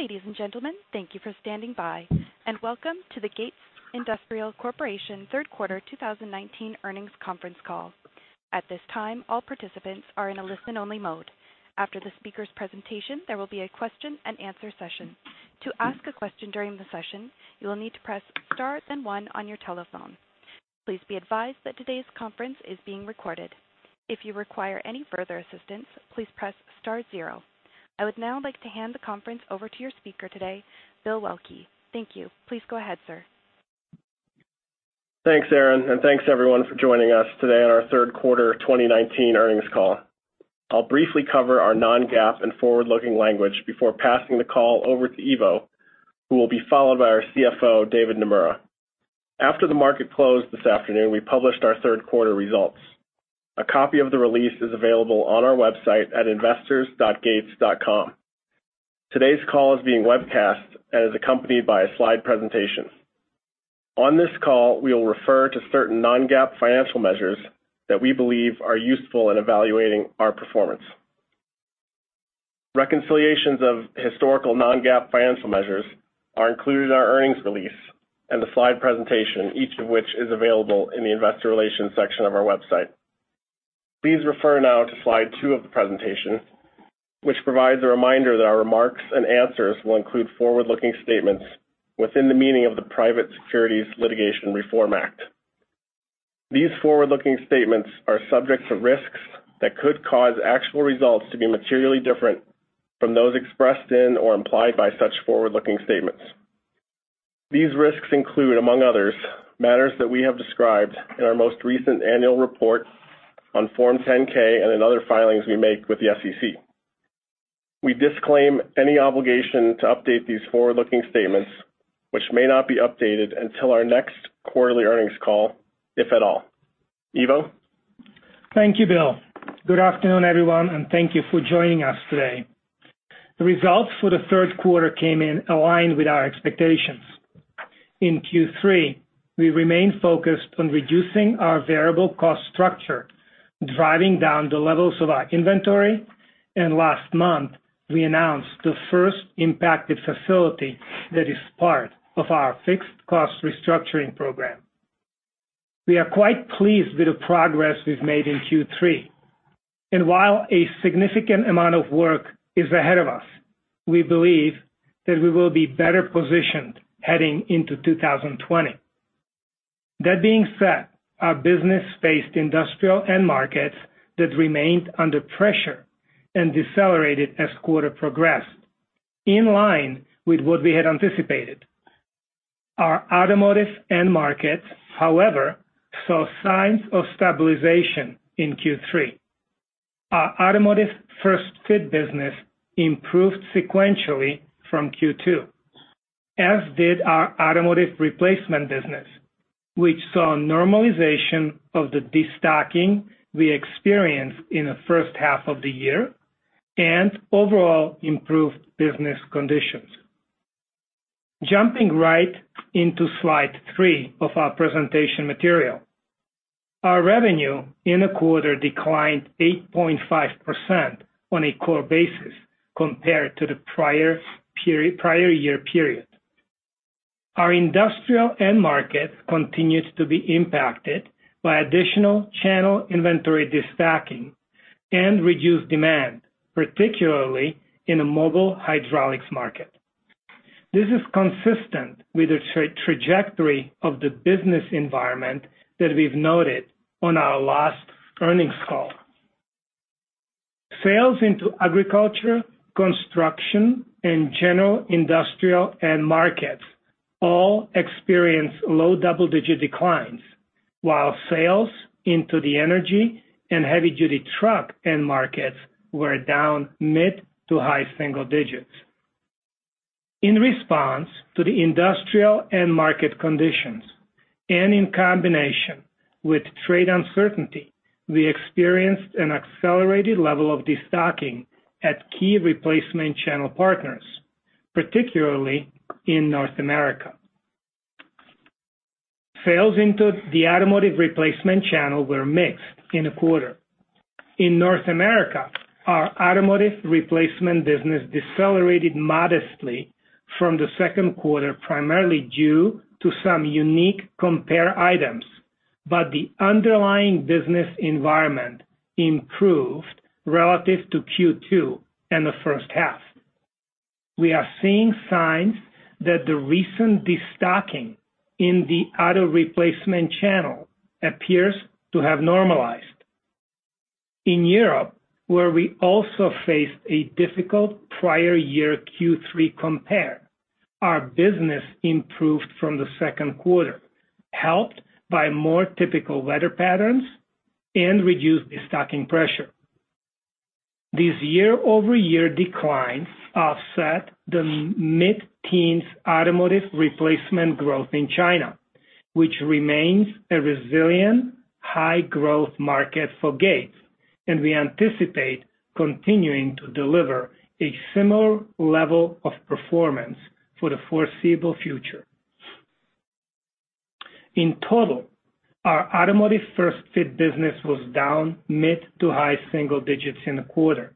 Ladies and gentlemen, thank you for standing by, and welcome to the Gates Industrial Corporation Third Quarter 2019 Earnings Conference Call. At this time, all participants are in a listen-only mode. After the speaker's presentation, there will be a question-and-answer session. To ask a question during the session, you will need to press star then one on your telephone. Please be advised that today's conference is being recorded. If you require any further assistance, please press star zero. I would now like to hand the conference over to your speaker today, Bill Waelke. Thank you. Please go ahead, sir. Thanks, Erin, and thanks, everyone, for joining us today on our Third Quarter 2019 Earnings Call. I'll briefly cover our non-GAAP and forward-looking language before passing the call over to Ivo, who will be followed by our CFO, David Naemura. After the market closed this afternoon, we published our Third Quarter results. A copy of the release is available on our website at investors.gates.com. Today's call is being webcast and is accompanied by a slide presentation. On this call, we will refer to certain non-GAAP financial measures that we believe are useful in evaluating our performance. Reconciliations of historical non-GAAP financial measures are included in our earnings release and the slide presentation, each of which is available in the investor relations section of our website. Please refer now to slide two of the presentation, which provides a reminder that our remarks and answers will include forward-looking statements within the meaning of the Private Securities Litigation Reform Act. These forward-looking statements are subject to risks that could cause actual results to be materially different from those expressed in or implied by such forward-looking statements. These risks include, among others, matters that we have described in our most recent annual report on Form 10-K and in other filings we make with the SEC. We disclaim any obligation to update these forward-looking statements, which may not be updated until our next quarterly earnings call, if at all. Ivo? Thank you, Bill. Good afternoon, everyone, and thank you for joining us today. The results for the third quarter came in aligned with our expectations. In Q3, we remained focused on reducing our variable cost structure, driving down the levels of our inventory, and last month, we announced the 1st impacted facility that is part of our fixed cost restructuring program. We are quite pleased with the progress we've made in Q3, and while a significant amount of work is ahead of us, we believe that we will be better positioned heading into 2020. That being said, our business faced industrial end markets that remained under pressure, and decelerated as the quarter progressed, in line with what we had anticipated. Our automotive end markets, however, saw signs of stabilization in Q3. Our automotive 1st-fit business improved sequentially from Q2, as did our automotive replacement business, which saw normalization of the de-stocking we experienced in the 1st half of the year and overall improved business conditions. Jumping right into slide three of our presentation material, our revenue in the quarter declined 8.5% on a core basis compared to the prior year period. Our industrial end market continued to be impacted by additional channel inventory de-stocking and reduced demand, particularly in the mobile hydraulics market. This is consistent with the trajectory of the business environment that we've noted on our last earnings call. Sales into agriculture, construction, and general industrial end markets all experienced low double-digit declines, while sales into the energy and heavy-duty truck end markets were down mid to high single digits. In response to the industrial end market conditions and in combination with trade uncertainty, we experienced an accelerated level of de-stocking at key replacement channel partners, particularly in North America. Sales into the automotive replacement channel were mixed in the quarter. In North America, our automotive replacement business decelerated modestly from the second quarter, primarily due to some unique compare items, but the underlying business environment improved relative to Q2 and the 1st half. We are seeing signs that the recent de-stocking in the auto replacement channel appears to have normalized. In Europe, where we also faced a difficult prior year Q3 compare, our business improved from the second quarter, helped by more typical weather patterns and reduced de-stocking pressure. These year-over-year declines offset the mid-teens automotive replacement growth in China, which remains a resilient, high-growth market for Gates, and we anticipate continuing to deliver a similar level of performance for the foreseeable future. In total, our automotive 1st-fit business was down mid to high single digits in the quarter,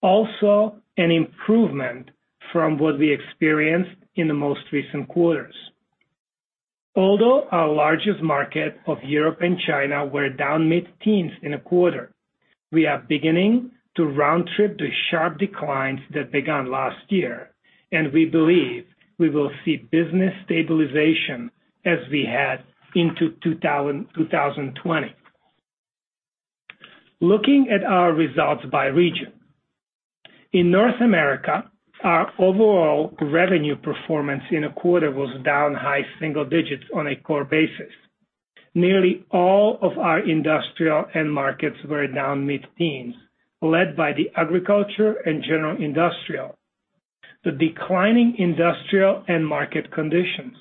also an improvement from what we experienced in the most recent quarters. Although our largest market of Europe and China were down mid-teens in the quarter, we are beginning to round-trip the sharp declines that began last year, and we believe we will see business stabilization as we head into 2020. Looking at our results by region, in North America, our overall revenue performance in the quarter was down high single digits on a core basis. Nearly all of our industrial end markets were down mid-teens, led by the agriculture and general industrial. The declining industrial end market conditions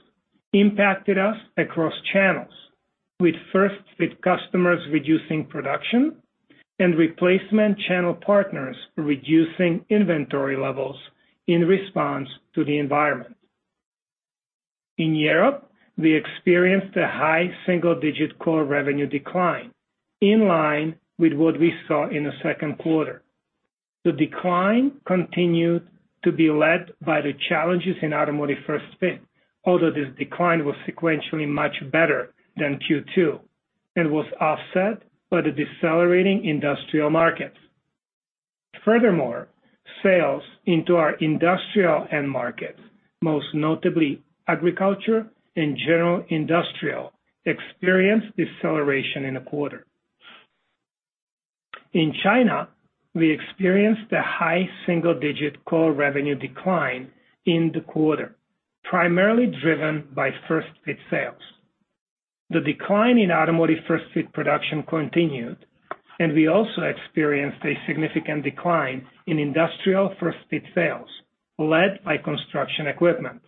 impacted us across channels, with 1st-fit customers reducing production and replacement channel partners reducing inventory levels in response to the environment. In Europe, we experienced a high single-digit core revenue decline, in line with what we saw in the second quarter. The decline continued to be led by the challenges in automotive 1st-fit, although this decline was sequentially much better than Q2 and was offset by the decelerating industrial markets. Furthermore, sales into our industrial end markets, most notably agriculture and general industrial, experienced deceleration in the quarter. In China, we experienced a high single-digit core revenue decline in the quarter, primarily driven by 1st-fit sales. The decline in automotive 1st-fit production continued, and we also experienced a significant decline in industrial 1st-fit sales, led by construction equipment.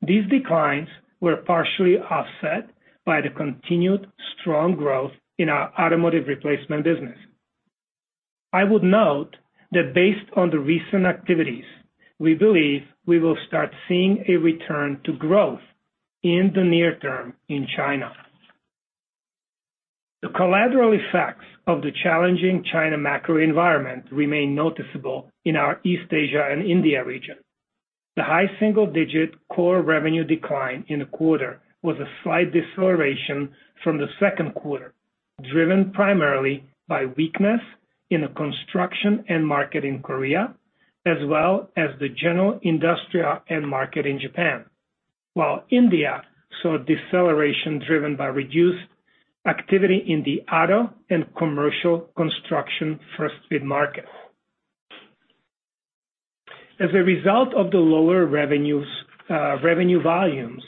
These declines were partially offset by the continued strong growth in our automotive replacement business. I would note that based on the recent activities, we believe we will start seeing a return to growth, in the near term in China. The collateral effects of the challenging China macro environment remain noticeable in our East Asia and India region. The high single-digit core revenue decline in the quarter was a slight deceleration from the second quarter, driven primarily by weakness in the construction end market in Korea, as well as the general industrial end market in Japan, while India saw deceleration driven by reduced activity in the auto and commercial construction 1st-fit markets. As a result of the lower revenue volumes,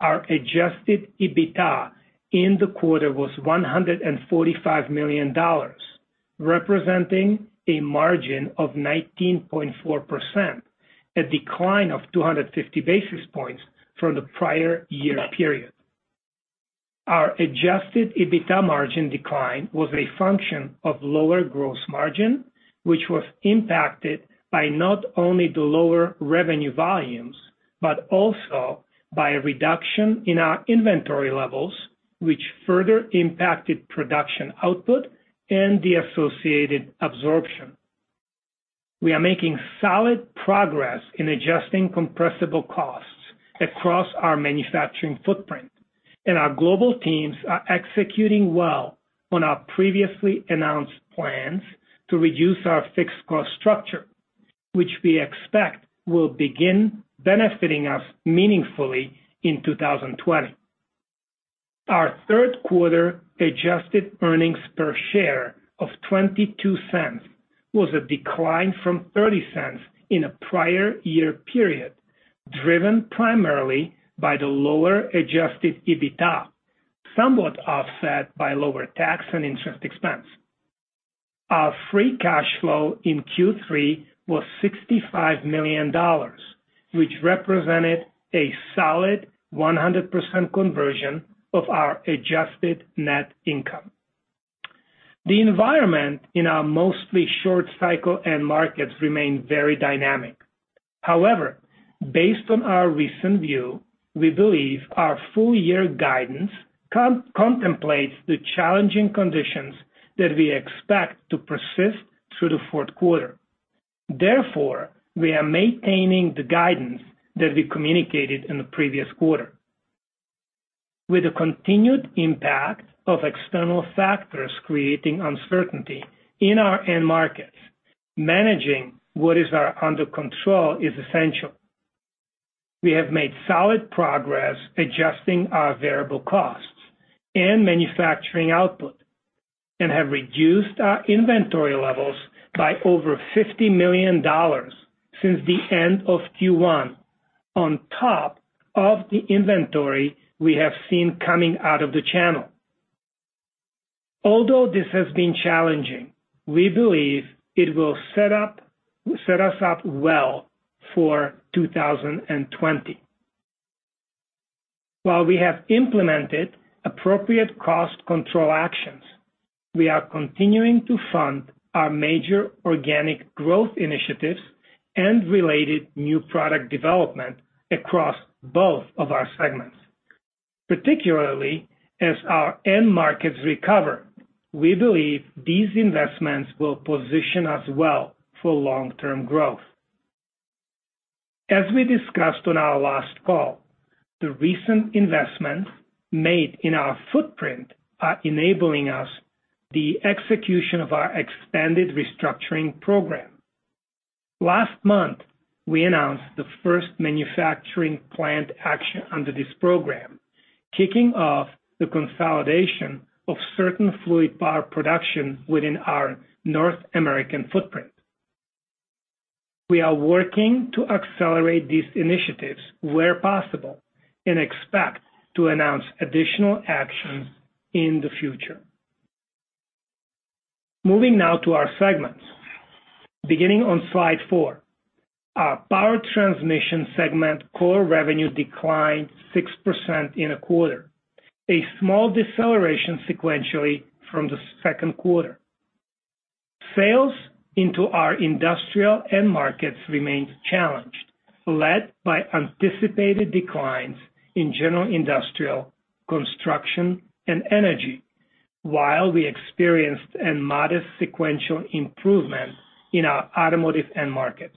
our adjusted EBITDA in the quarter was $145 million, representing a margin of 19.4%, a decline of 250 basis points from the prior year period. Our adjusted EBITDA margin decline was a function of lower gross margin, which was impacted by not only the lower revenue volumes but also by a reduction in our inventory levels, which further impacted production output and the associated absorption. We are making solid progress in adjusting compressible costs across our manufacturing footprint, and our global teams are executing well on our previously announced plans to reduce our fixed cost structure, which we expect will begin benefiting us meaningfully in 2020. Our third quarter adjusted earnings per share of $0.22 was a decline from $0.30 in a prior year period, driven primarily by the lower adjusted EBITDA, somewhat offset by lower tax and interest expense. Our free cash flow in Q3 was $65 million, which represented a solid 100% conversion of our adjusted net income. The environment in our mostly short-cycle end markets remained very dynamic. However, based on our recent view, we believe our full-year guidance contemplates the challenging conditions that we expect to persist through the fourth quarter. Therefore, we are maintaining the guidance that we communicated in the previous quarter. With the continued impact of external factors creating uncertainty in our end markets, managing what is under control is essential. We have made solid progress adjusting our variable costs and manufacturing output and have reduced our inventory levels by over $50 million since the end of Q1, on top of the inventory we have seen coming out of the channel. Although this has been challenging, we believe it will set us up well for 2020. While we have implemented appropriate cost control actions, we are continuing to fund our major organic growth initiatives and related new product development across both of our segments. Particularly as our end markets recover, we believe these investments will position us well for long-term growth. As we discussed on our last call, the recent investments made in our footprint are enabling us the execution of our expanded restructuring program. Last month, we announced the 1st manufacturing plant action under this program, kicking off the consolidation of certain fluid power production within our North American footprint. We are working to accelerate these initiatives where possible and expect to announce additional actions in the future. Moving now to our segments. Beginning on slide four, our power transmission segment core revenue declined 6% in a quarter, a small deceleration sequentially from the second quarter. Sales into our industrial end markets remained challenged, led by anticipated declines in general industrial, construction, and energy, while we experienced a modest sequential improvement in our automotive end markets.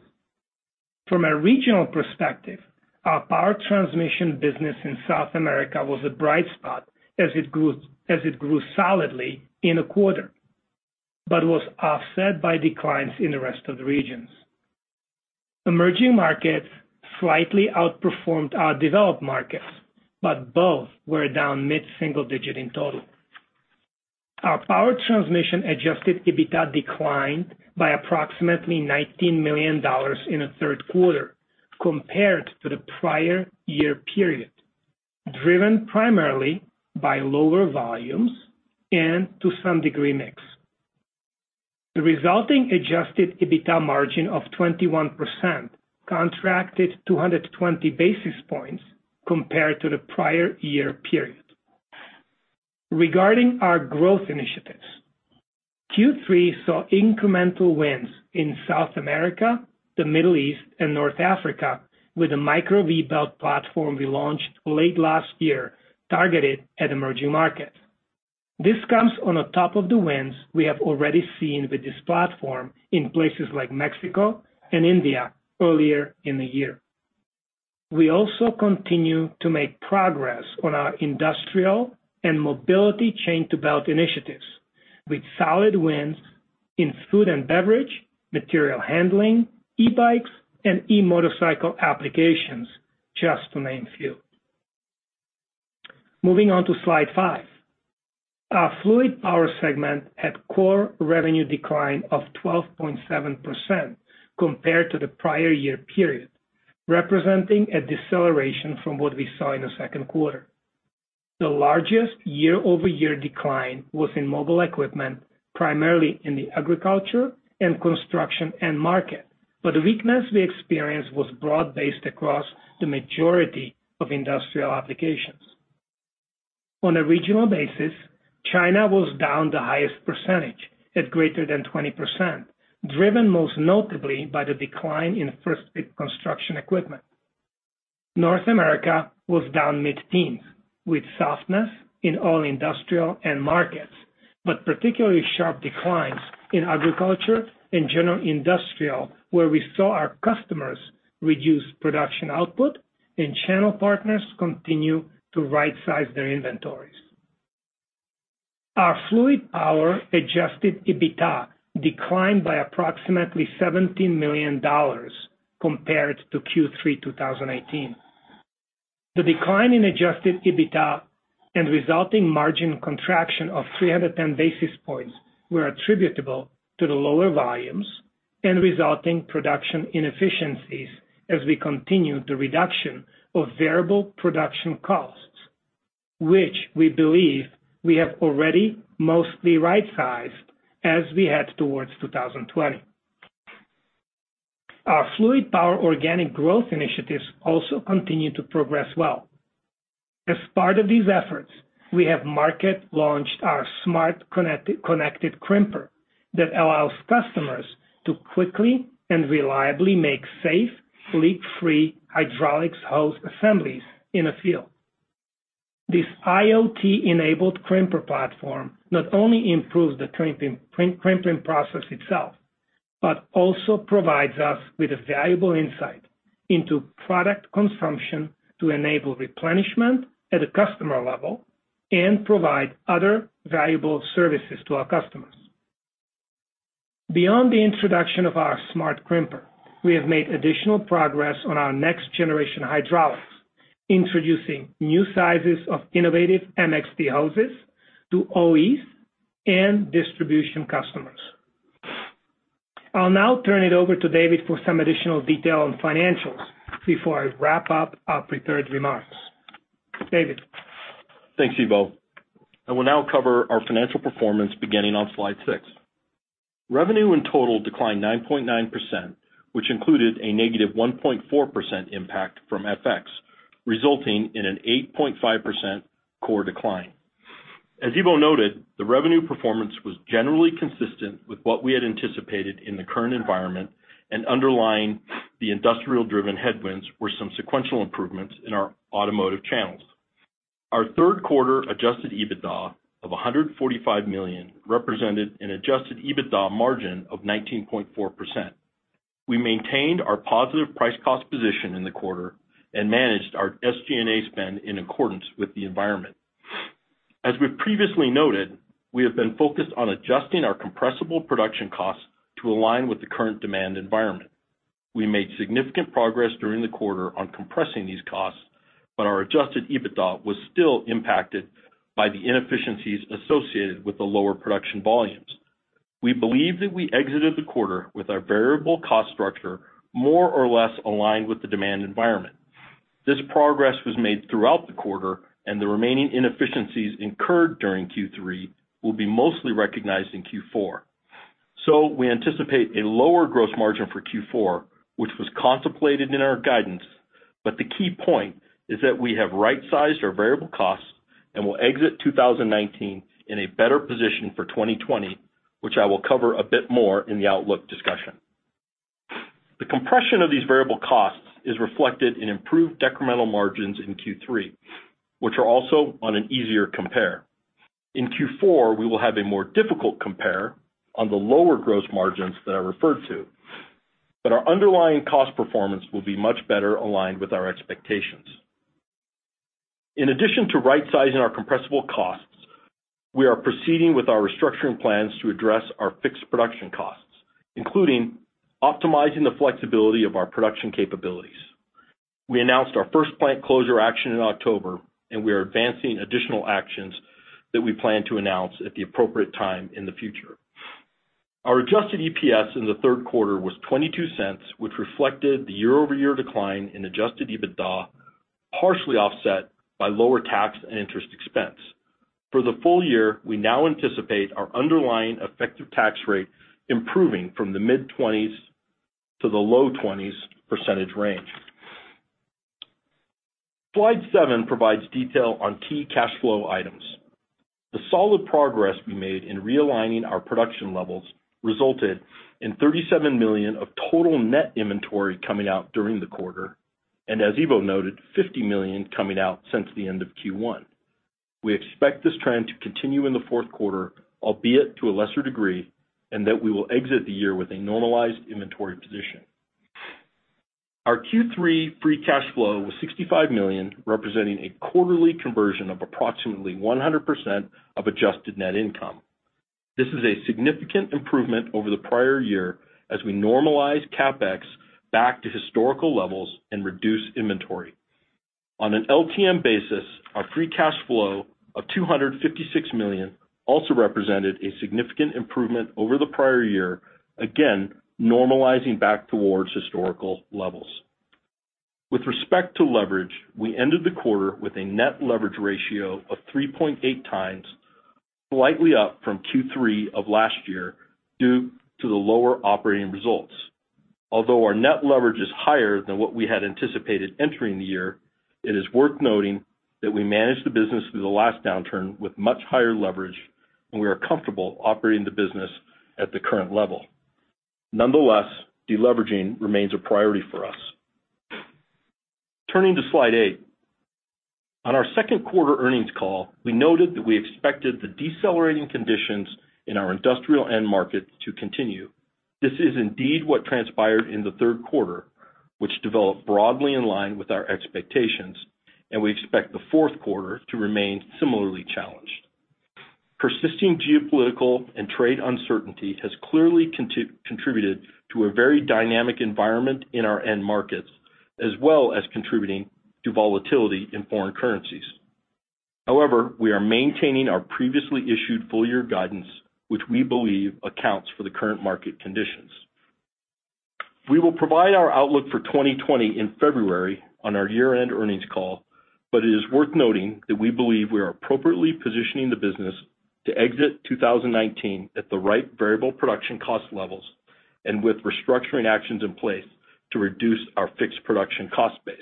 From a regional perspective, our power transmission business in South America was a bright spot as it grew solidly in a quarter but was offset by declines in the rest of the regions. Emerging markets slightly outperformed our developed markets, but both were down mid-single digit in total. Our power transmission adjusted EBITDA declined by approximately $19 million in the third quarter compared to the prior year period, driven primarily by lower volumes and to some degree mix. The resulting adjusted EBITDA margin of 21% contracted 220 basis points compared to the prior year period. Regarding our growth initiatives, Q3 saw incremental wins in South America, the Middle East, and North Africa with the micro V-belt platform we launched late last year, targeted at emerging markets. This comes on top of the wins we have already seen with this platform in places like Mexico and India earlier in the year. We also continue to make progress on our industrial and mobility chain-to-belt initiatives, with solid wins in food and beverage, material handling, e-bikes, and e-motorcycle applications, just to name a few. Moving on to slide five, our fluid power segment had core revenue decline of 12.7% compared to the prior year period, representing a deceleration from what we saw in the second quarter. The largest year-over-year decline was in mobile equipment, primarily in the agriculture and construction end market, but the weakness we experienced was broad-based across the majority of industrial applications. On a regional basis, China was down the highest percentage at greater than 20%, driven most notably by the decline in 1st-fit construction equipment. North America was down mid-teens, with softness in all industrial end markets, but particularly sharp declines in agriculture and general industrial, where we saw our customers reduce production output and channel partners continue to right-size their inventories. Our fluid power adjusted EBITDA declined by approximately $17 million compared to Q3 2018. The decline in adjusted EBITDA and resulting margin contraction of 310 basis points were attributable to the lower volumes and resulting production inefficiencies as we continued the reduction of variable production costs, which we believe we have already mostly right-sized as we head towards 2020. Our fluid power organic growth initiatives also continue to progress well. As part of these efforts, we have market-launched our smart connected crimper that allows customers to quickly and reliably make safe, leak-free hydraulics hose assemblies in a field. This IoT-enabled crimper platform not only improves the crimping process itself but also provides us with a valuable insight into product consumption to enable replenishment at the customer level and provide other valuable services to our customers. Beyond the introduction of our smart crimper, we have made additional progress on our next-generation hydraulics, introducing new sizes of innovative MXT hoses to OEs, and distribution customers. I'll now turn it over to David for some additional detail on financials before I wrap up our prepared remarks. David. Thanks, Ivo. I will now cover our financial performance beginning on slide six. Revenue in total declined 9.9%, which included a negative 1.4% impact from FX, resulting in an 8.5% core decline. As Ivo noted, the revenue performance was generally consistent with what we had anticipated in the current environment, and underlying the industrial-driven headwinds were some sequential improvements in our automotive channels. Our third quarter adjusted EBITDA of $145 million represented an adjusted EBITDA margin of 19.4%. We maintained our positive price-cost position in the quarter and managed our SG&A spend in accordance with the environment. As we previously noted, we have been focused on adjusting our compressible production costs to align with the current demand environment. We made significant progress during the quarter on compressing these costs, but our adjusted EBITDA was still impacted by the inefficiencies associated with the lower production volumes. We believe that we exited the quarter with our variable cost structure more or less aligned with the demand environment. This progress was made throughout the quarter, and the remaining inefficiencies incurred during Q3 will be mostly recognized in Q4. We anticipate a lower gross margin for Q4, which was contemplated in our guidance, but the key point is that we have right-sized our variable costs and will exit 2019 in a better position for 2020, which I will cover a bit more in the outlook discussion. The compression of these variable costs is reflected in improved decremental margins in Q3, which are also on an easier compare. In Q4, we will have a more difficult compare on the lower gross margins that I referred to, but our underlying cost performance will be much better aligned with our expectations. In addition to right-sizing our compressible costs, we are proceeding with our restructuring plans to address our fixed production costs, including optimizing the flexibility of our production capabilities. We announced our 1st plant closure action in October, and we are advancing additional actions that we plan to announce at the appropriate time in the future. Our adjusted EPS in the third quarter was $0.22, which reflected the year-over-year decline in adjusted EBITDA, partially offset by lower tax and interest expense. For the full year, we now anticipate our underlying effective tax rate improving from the mid-20s to the low 20s percentage range. Slide seven provides detail on key cash flow items. The solid progress we made in realigning our production levels resulted in $37 million of total net inventory coming out during the quarter, and as Ivo noted, $50 million coming out since the end of Q1. We expect this trend to continue in the fourth quarter, albeit to a lesser degree, and that we will exit the year with a normalized inventory position. Our Q3 free cash flow was $65 million, representing a quarterly conversion of approximately 100% of adjusted net income. This is a significant improvement over the prior year as we normalize CapEx back to historical levels and reduce inventory. On an LTM basis, our free cash flow of $256 million also represented a significant improvement over the prior year, again normalizing back towards historical levels. With respect to leverage, we ended the quarter with a net leverage ratio of 3.8 times, slightly up from Q3 of last year due to the lower operating results. Although our net leverage is higher than what we had anticipated entering the year, it is worth noting that we managed the business through the last downturn with much higher leverage, and we are comfortable operating the business at the current level. Nonetheless, deleveraging remains a priority for us. Turning to slide eight, on our second quarter earnings call, we noted that we expected the decelerating conditions in our industrial end markets to continue. This is indeed what transpired in the third quarter, which developed broadly in line with our expectations, and we expect the fourth quarter to remain similarly challenged. Persisting geopolitical and trade uncertainty has clearly contributed to a very dynamic environment in our end markets, as well as contributing to volatility in foreign currencies. However, we are maintaining our previously issued full-year guidance, which we believe accounts for the current market conditions. We will provide our outlook for 2020 in February on our year-end earnings call, but it is worth noting that we believe we are appropriately positioning the business to exit 2019 at the right variable production cost levels and with restructuring actions in place to reduce our fixed production cost base.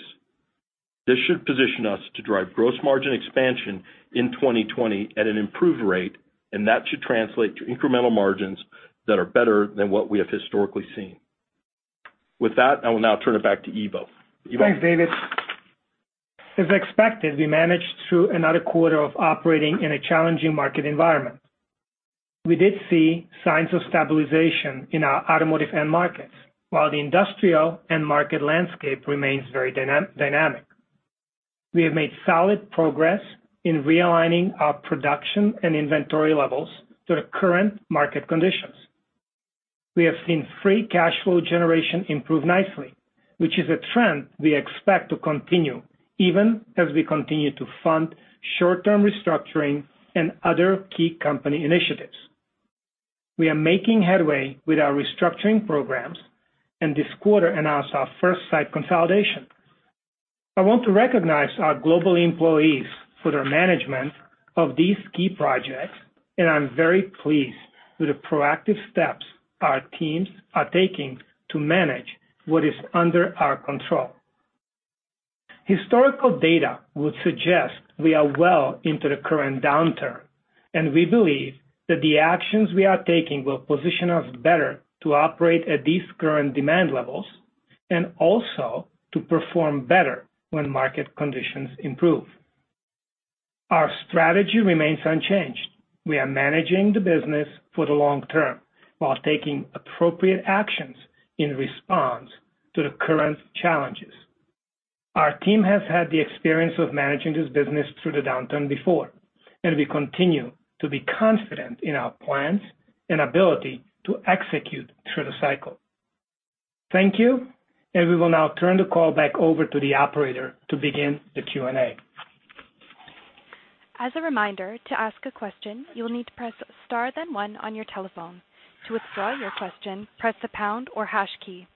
This should position us to drive gross margin expansion in 2020 at an improved rate, and that should translate to incremental margins that are better than what we have historically seen. With that, I will now turn it back to Ivo. Ivo. Thanks, David. As expected, we managed through another quarter of operating in a challenging market environment. We did see signs of stabilization in our automotive end markets, while the industrial end market landscape remains very dynamic. We have made solid progress in realigning our production and inventory levels to the current market conditions. We have seen free cash flow generation improve nicely, which is a trend we expect to continue even as we continue to fund short-term restructuring and other key company initiatives. We are making headway with our restructuring programs, and this quarter announced our 1st site consolidation. I want to recognize our global employees for their management of these key projects, and I'm very pleased with the proactive steps our teams are taking to manage what is under our control. Historical data would suggest we are well into the current downturn, and we believe that the actions we are taking will position us better to operate at these current demand levels and also to perform better when market conditions improve. Our strategy remains unchanged. We are managing the business for the long term while taking appropriate actions in response to the current challenges. Our team has had the experience of managing this business through the downturn before, and we continue to be confident in our plans and ability to execute through the cycle. Thank you, and we will now turn the call back over to the operator to begin the Q&A. As a reminder, to ask a question, you'll need to press star then one on your telephone. To withdraw your question, press the pound or hash key.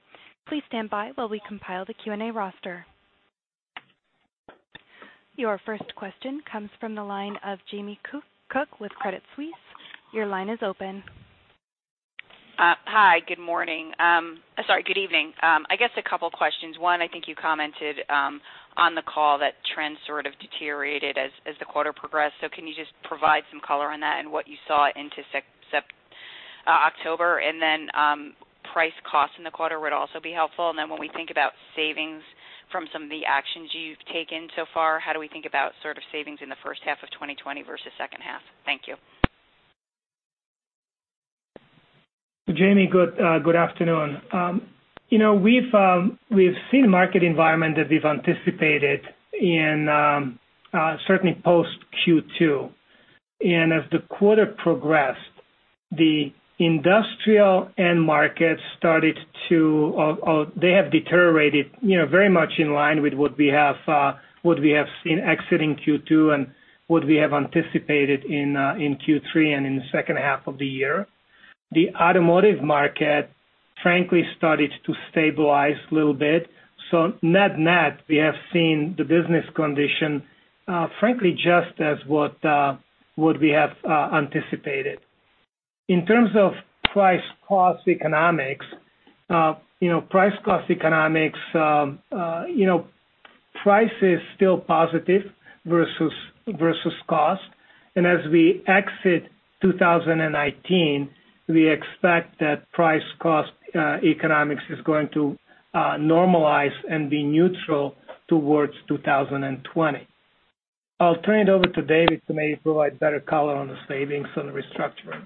Please stand by while we compile the Q&A roster. Your 1st question comes from the line of Jamie Cook with Credit Suisse. Your line is open. Hi, good morning. Sorry, good evening. I guess a couple of questions. One, I think you commented on the call that trends sort of deteriorated as the quarter progressed. Can you just provide some color on that and what you saw into October, and then price costs in the quarter would also be helpful. When we think about savings from some of the actions you've taken so far, how do we think about sort of savings in the 1st half of 2020 versus 2nd half? Thank you. Jamie, good afternoon. We've seen a market environment that we've anticipated in certainly post Q2. As the quarter progressed, the industrial end markets started to—they have deteriorated very much in line with what we have seen exiting Q2 and what we have anticipated in Q3 and in the 2nd half of the year. The automotive market, frankly, started to stabilize a little bit. Net-net, we have seen the business condition, frankly, just as what we have anticipated. In terms of price-cost economics, price-cost economics, price is still positive versus cost. As we exit 2019, we expect that price-cost economics is going to normalize and be neutral towards 2020. I'll turn it over to David to maybe provide better color on the savings and the restructuring.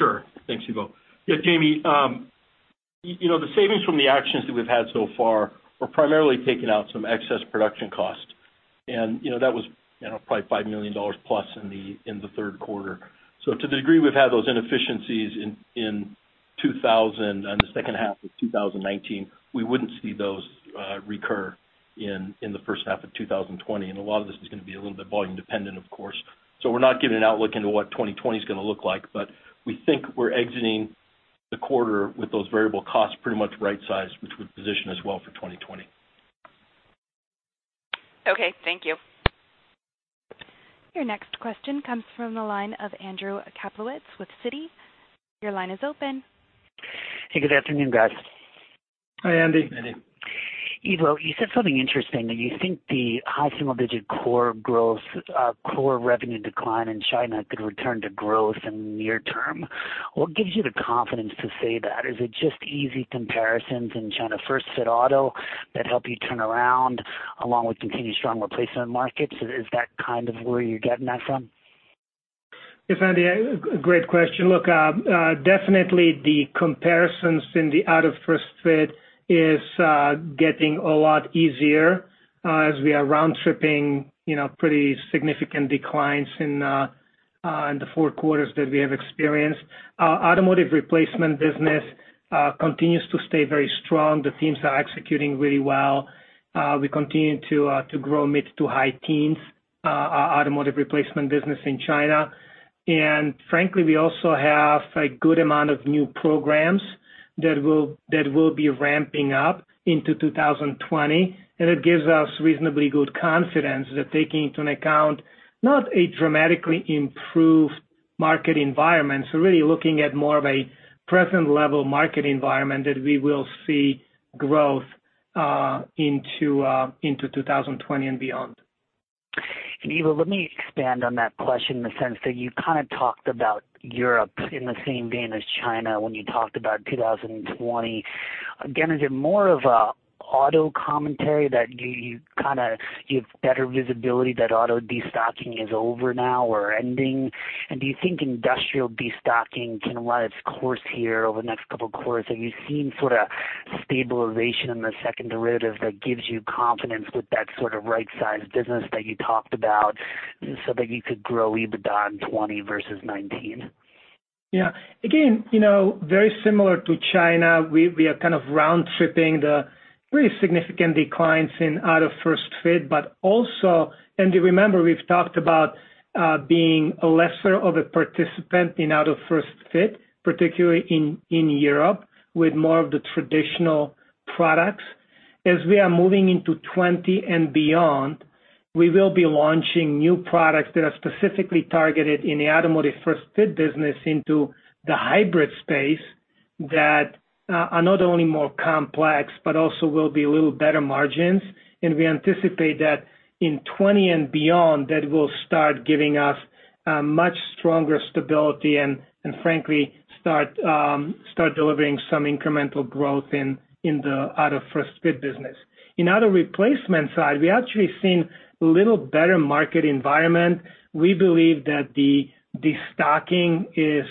Sure. Thanks, Ivo. Yeah, Jamie, the savings from the actions that we've had so far are primarily taking out some excess production costs. That was probably $5 million plus in the third quarter. To the degree we've had those inefficiencies in 2000 and the 2nd half of 2019, we wouldn't see those recur in the 1st half of 2020. A lot of this is going to be a little bit volume-dependent, of course. We're not giving an outlook into what 2020 is going to look like, but we think we're exiting the quarter with those variable costs pretty much right-sized, which would position us well for 2020. Thank you. Your next question comes from the line of Andrew Kaplowitz with Citi. Your line is open. Hey, good afternoon, guys. Hi, Andy. Andy. Ivo, you said something interesting that you think the high single-digit core revenue decline in China could return to growth in the near term. What gives you the confidence to say that? Is it just easy comparisons in China-1st-fit auto that help you turn around along with continued strong replacement markets? Is that kind of where you're getting that from? Yes, Andy. Great question. Look, definitely the comparisons in the out-of-1st-fit is getting a lot easier as we are round-tripping pretty significant declines in the four quarters that we have experienced. Our automotive replacement business continues to stay very strong. The teams are executing really well. We continue to grow mid to high teens, our automotive replacement business in China. Frankly, we also have a good amount of new programs that will be ramping up into 2020. It gives us reasonably good confidence that taking into account not a dramatically improved market environment, really looking at more of a present-level market environment, we will see growth into 2020 and beyond. Ivo, let me expand on that question in the sense that you kind of talked about Europe in the same vein as China when you talked about 2020. Again, is it more of an auto commentary that you've better visibility that auto de-stocking is over now or ending? Do you think industrial de-stocking can run its course here over the next couple of quarters? Have you seen sort of stabilization in the 2nd derivative that gives you confidence with that sort of right-sized business that you talked about so that you could grow EBITDA in 2020 versus 2019? Yeah. Very similar to China, we are kind of round-tripping the pretty significant declines in out-of-1st-fit, but also, and remember, we've talked about being lesser of a participant in out-of-1st-fit, particularly in Europe with more of the traditional products. As we are moving into 2020 and beyond, we will be launching new products that are specifically targeted in the automotive 1st-fit business into the hybrid space that are not only more complex, but also will be a little better margins. We anticipate that in 2020 and beyond, that will start giving us much stronger stability and, frankly, start delivering some incremental growth in the out-of-1st-fit business. In other replacement side, we actually seen a little better market environment. We believe that the de-stocking is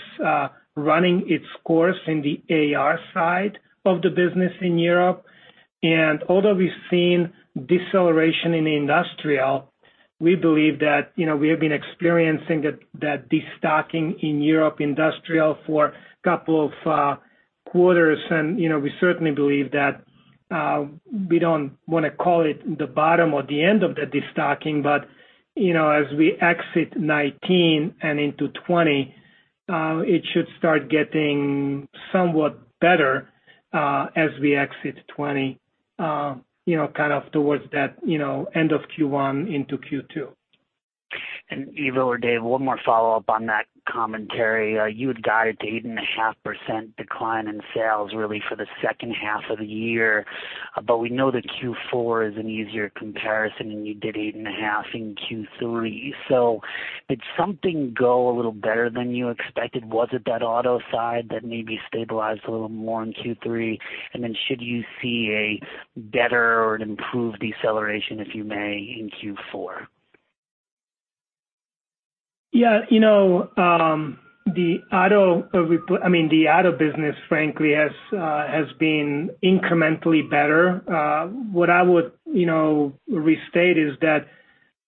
running its course in the AR side of the business in Europe. Although we've seen deceleration in the industrial, we believe that we have been experiencing that de-stocking in Europe industrial for a couple of quarters. We certainly believe that we do not want to call it the bottom or the end of the de-stocking, but as we exit 2019 and into 2020, it should start getting somewhat better as we exit 2020, kind of towards that end of Q1 into Q2. Ivo or Dave, one more follow-up on that commentary. You had guided to 8.5% decline in sales really for the 2nd half of the year, but we know that Q4 is an easier comparison, and you did 8.5% in Q3. Did something go a little better than you expected? Was it that auto side that maybe stabilized a little more in Q3? Should you see a better or an improved deceleration, if you may, in Q4? Yeah. The auto—I mean, the auto business, frankly, has been incrementally better. What I would restate is that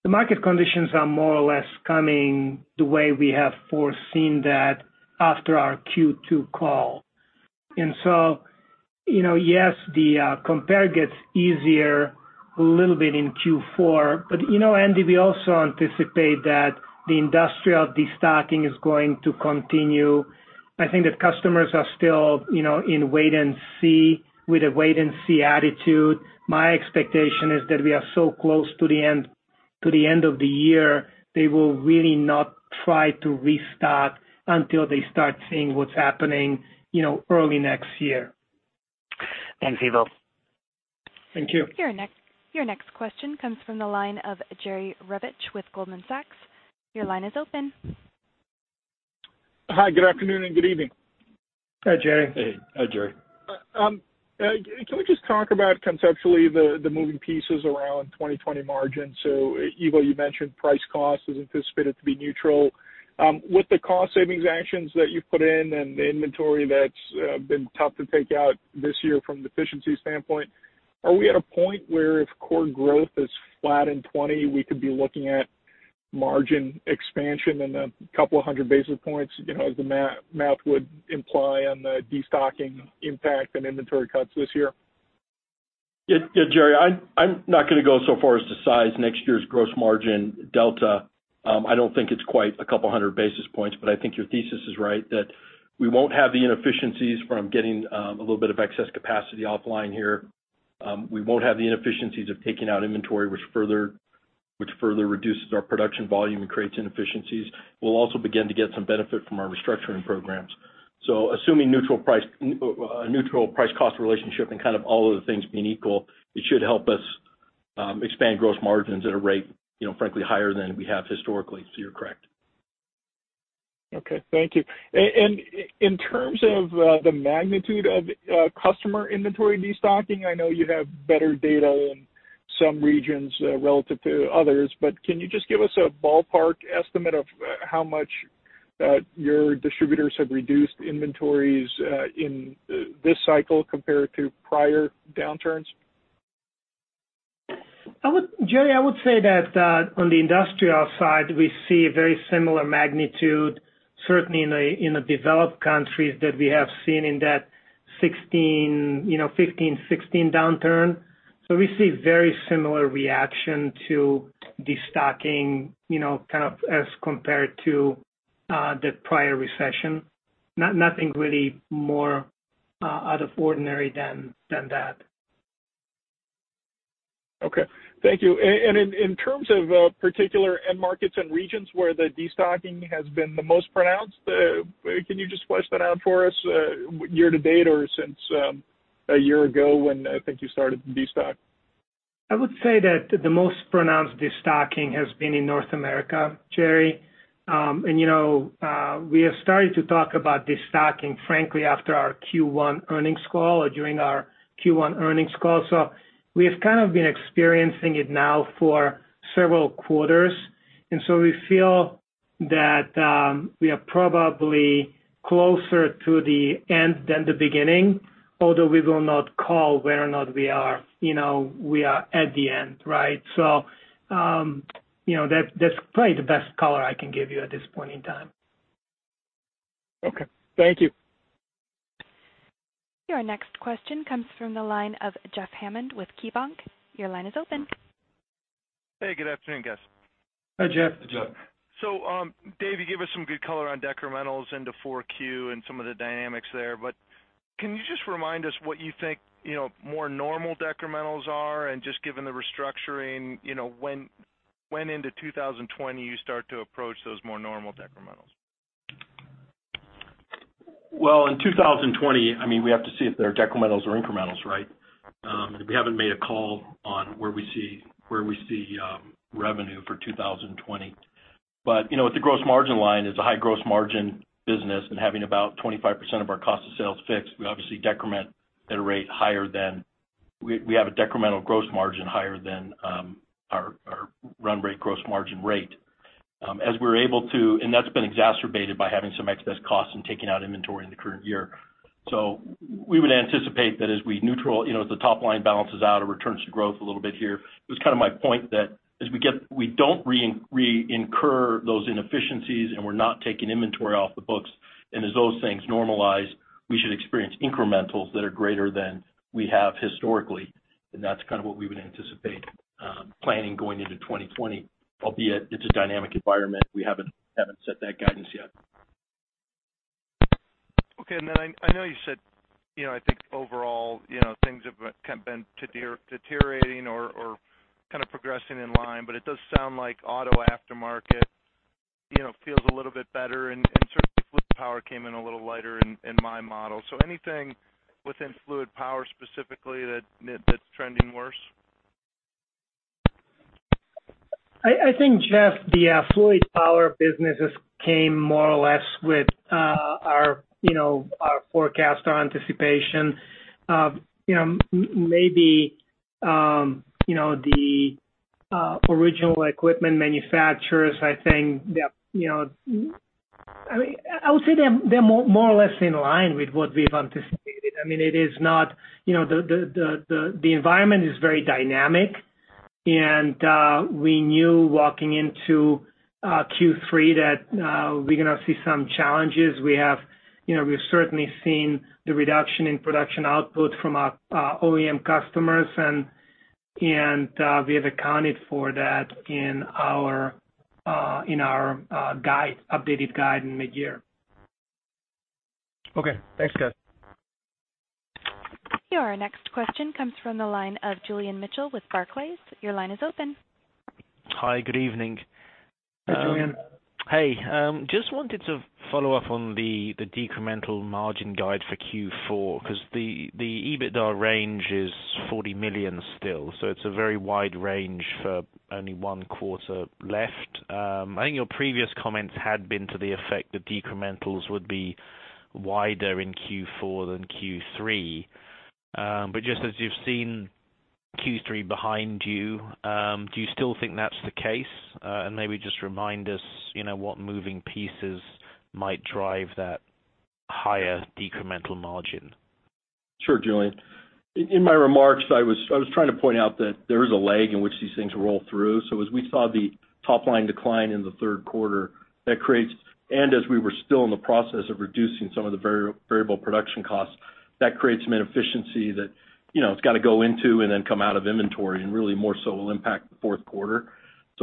the market conditions are more or less coming the way we have foreseen that after our Q2 call. Yes, the compare gets easier a little bit in Q4, but, Andy, we also anticipate that the industrial destocking is going to continue. I think that customers are still in wait-and-see with a wait-and-see attitude. My expectation is that we are so close to the end of the year, they will really not try to restock until they start seeing what's happening early next year. Thanks, Ivo. Thank you. Your next question comes from the line of Jerry Revich with Goldman Sachs. Your line is open. Hi, good afternoon and good evening. Hi, Jerry. Hey, Jerry. Can we just talk about conceptually the moving pieces around 2020 margin? Ivo, you mentioned price cost is anticipated to be neutral. With the cost savings actions that you've put in and the inventory that's been tough to take out this year from an efficiency standpoint, are we at a point where if core growth is flat in 2020, we could be looking at margin expansion in a couple of hundred basis points, as the math would imply on the destocking impact and inventory cuts this year? Yeah, Jerry, I'm not going to go so far as to size next year's gross margin delta. I don't think it's quite a couple of hundred basis points, but I think your thesis is right that we won't have the inefficiencies from getting a little bit of excess capacity offline here. We won't have the inefficiencies of taking out inventory, which further reduces our production volume and creates inefficiencies. We'll also begin to get some benefit from our restructuring programs. Assuming a neutral price-cost relationship and kind of all of the things being equal, it should help us expand gross margins at a rate, frankly, higher than we have historically. You are correct. Okay. Thank you. In terms of the magnitude of customer inventory destocking, I know you have better data in some regions relative to others, but can you just give us a ballpark estimate of how much your distributors have reduced inventories in this cycle compared to prior downturns? Jerry, I would say that on the industrial side, we see a very similar magnitude, certainly in the developed countries that we have seen in that 2015-2016 downturn. We see very similar reaction to destocking kind of as compared to the prior recession. Nothing really more out of ordinary than that. Okay. Thank you. In terms of particular end markets and regions where the destocking has been the most pronounced, can you just flesh that out for us year to date or since a year ago when I think you started the destock? I would say that the most pronounced destocking has been in North America, Jerry. We have started to talk about destocking, frankly, after our Q1 earnings call or during our Q1 earnings call. We have kind of been experiencing it now for several quarters. We feel that we are probably closer to the end than the beginning, although we will not call whether or not we are at the end, right? That is probably the best color I can give you at this point in time. Okay. Thank you. Your next question comes from the line of Jeff Hammond with KeyBanc. Your line is open. Hey, good afternoon, guys. Hi, Jeff. Dave, you gave us some good color on decrementals into 4Q and some of the dynamics there, but can you just remind us what you think more normal decrementals are? Just given the restructuring, when into 2020 you start to approach those more normal decrementals? In 2020, I mean, we have to see if they're decrementals or incrementals, right? We haven't made a call on where we see revenue for 2020. With the gross margin line, it's a high gross margin business, and having about 25% of our cost of sales fixed, we obviously decrement at a rate higher than we have a decremental gross margin higher than our run rate gross margin rate. As we're able to, and that's been exacerbated by having some excess costs and taking out inventory in the current year. We would anticipate that as we neutral, as the top line balances out or returns to growth a little bit here, it was kind of my point that as we do not re-incur those inefficiencies and we are not taking inventory off the books, and as those things normalize, we should experience incrementals that are greater than we have historically. That is kind of what we would anticipate planning going into 2020, albeit it is a dynamic environment. We have not set that guidance yet. Okay. I know you said, I think overall, things have kind of been deteriorating or kind of progressing in line, but it does sound like auto aftermarket feels a little bit better. Certainly, fluid power came in a little lighter in my model. Anything within fluid power specifically that is trending worse? I think, Jeff, the fluid power business has come more or less with our forecast or anticipation. Maybe the original equipment manufacturers, I think, I would say they're more or less in line with what we've anticipated. I mean, it is not the environment is very dynamic. I mean, we knew walking into Q3 that we're going to see some challenges. We have certainly seen the reduction in production output from our OEM customers, and we have accounted for that in our updated guide in mid-year. Okay. Thanks, guys. Your next question comes from the line of Julian Mitchell with Barclays. Your line is open. Hi, good evening. Hi, Julian. Hey, just wanted to follow up on the decremental margin guide for Q4 because the EBITDA range is $40 million still. It is a very wide range for only one quarter left. I think your previous comments had been to the effect that decrementals would be wider in Q4 than Q3. Just as you've seen Q3 behind you, do you still think that's the case? Maybe just remind us what moving pieces might drive that higher decremental margin. Sure, Julian. In my remarks, I was trying to point out that there is a leg in which these things roll through. As we saw the top line decline in the third quarter, that creates, and as we were still in the process of reducing some of the variable production costs, that creates an inefficiency that it's got to go into and then come out of inventory and really more so will impact the fourth quarter.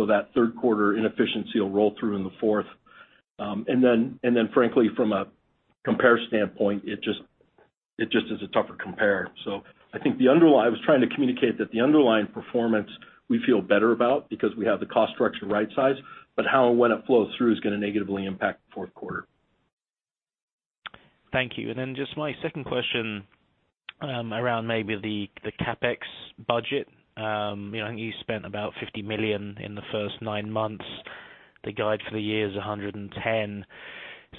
That third quarter inefficiency will roll through in the fourth. Frankly, from a compare standpoint, it just is a tougher compare. I think the underlying I was trying to communicate that the underlying performance we feel better about because we have the cost structure right-sized, but how and when it flows through is going to negatively impact the fourth quarter. Thank you. And then just my 2nd question around maybe the CapEx budget. I think you spent about $50 million in the 1st nine months. The guide for the year is $110 million.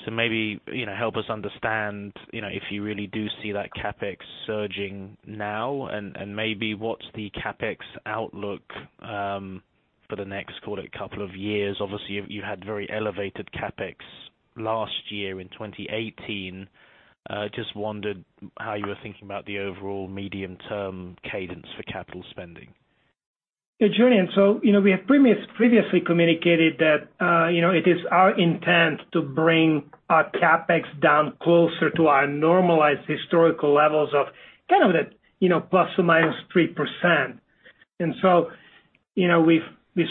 So maybe help us understand if you really do see that CapEx surging now, and maybe what is the CapEx outlook for the next couple of years? Obviously, you had very elevated CapEx last year in 2018. Just wondered how you were thinking about the overall medium-term cadence for capital spending. Yeah, Julian, so we have previously communicated that it is our intent to bring our CapEx down closer to our normalized historical levels of kind of that plus or minus 3%. We have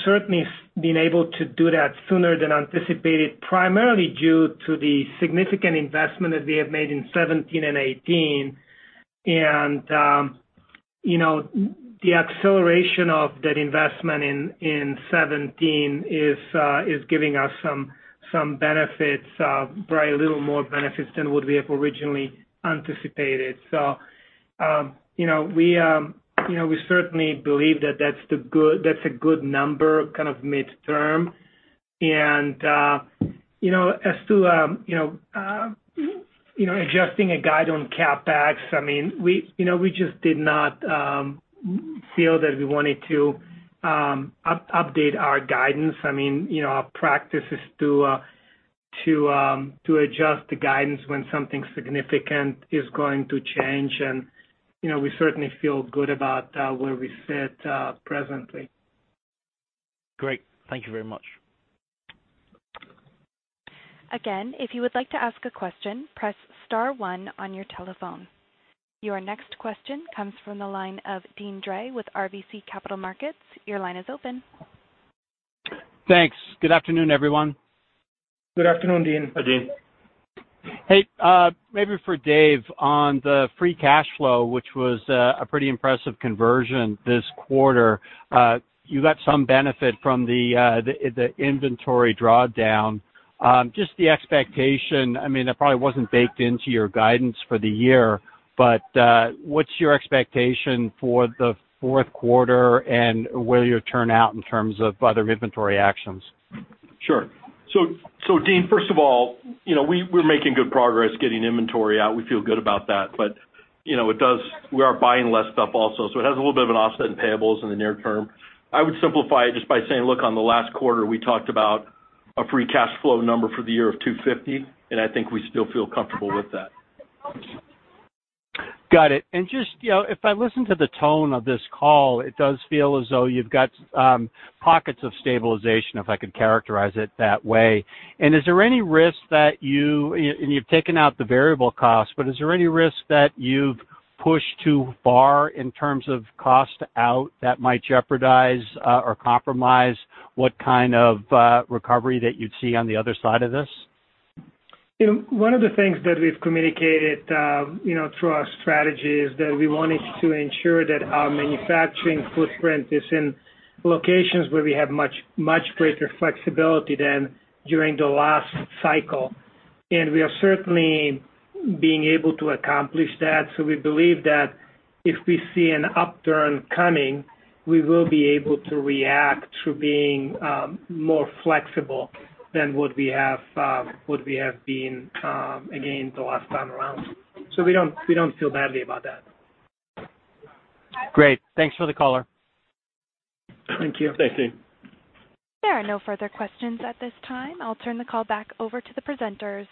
certainly been able to do that sooner than anticipated, primarily due to the significant investment that we have made in 2017 and 2018. The acceleration of that investment in 2017 is giving us some benefits, probably a little more benefits than what we have originally anticipated. We certainly believe that that's a good number kind of mid-term. As to adjusting a guide on CapEx, I mean, we just did not feel that we wanted to update our guidance. I mean, our practice is to adjust the guidance when something significant is going to change, and we certainly feel good about where we sit presently. Great. Thank you very much. Again, if you would like to ask a question, press star one on your telephone. Your next question comes from the line of Deane Dray with RBC Capital Markets. Your line is open. Thanks. Good afternoon, everyone. Good afternoon, Dean.Hi, Dean. Hey, maybe for Dave on the free cash flow, which was a pretty impressive conversion this quarter, you got some benefit from the inventory drawdown. Just the expectation, I mean, that probably wasn't baked into your guidance for the year, but what's your expectation for the fourth quarter and where you'll turn out in terms of other inventory actions? Sure. Dean, 1st of all, we're making good progress getting inventory out. We feel good about that, but we are buying less stuff also. It has a little bit of an offset in payables in the near term. I would simplify it just by saying, look, on the last quarter, we talked about a free cash flow number for the year of $250 million, and I think we still feel comfortable with that. Got it. If I listen to the tone of this call, it does feel as though you've got pockets of stabilization, if I could characterize it that way. Is there any risk that you—and you've taken out the variable costs—is there any risk that you've pushed too far in terms of cost out that might jeopardize or compromise what kind of recovery that you'd see on the other side of this? One of the things that we've communicated through our strategy is that we wanted to ensure that our manufacturing footprint is in locations where we have much greater flexibility than during the last cycle. We are certainly being able to accomplish that. We believe that if we see an upturn coming, we will be able to react through being more flexible than what we have been, again, the last time around. We do not feel badly about that. Great. Thanks for the caller. Thank you. Thank you. There are no further questions at this time. I'll turn the call back over to the presenters.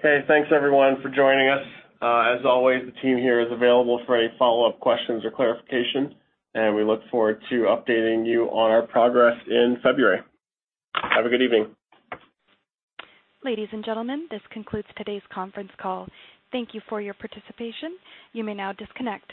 Okay. Thanks, everyone, for joining us. As always, the team here is available for any follow-up questions or clarification, and we look forward to updating you on our progress in February. Have a good evening. Ladies and gentlemen, this concludes today's conference call. Thank you for your participation. You may now disconnect.